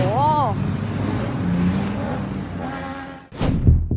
เหนี่ย